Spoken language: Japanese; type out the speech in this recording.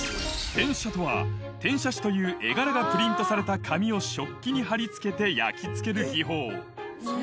転写とは転写紙という絵柄がプリントされた紙を食器に貼り付けて焼き付ける技法。